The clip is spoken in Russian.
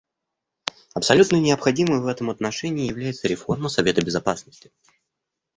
Абсолютно необходимой в этом отношении является реформа Совета Безопасности.